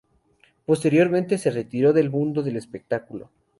Posteriormente se retiró del mundo del espectáculo.